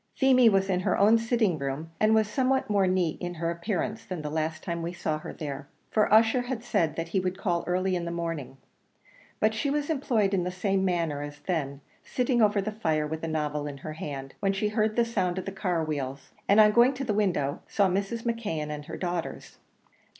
Feemy was in her own sitting room, and was somewhat more neat in her appearance than the last time we saw her there, for Ussher had said he would call early in the morning; but she was employed in the same manner as then sitting over the fire with a novel in her hand, when she heard the sound of the car wheels, and on going to the window, saw Mrs. McKeon and her daughters.